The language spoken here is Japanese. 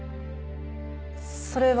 それは。